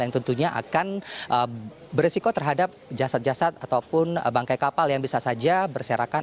yang tentunya akan beresiko terhadap jasad jasad ataupun bangkai kapal yang bisa saja berserakan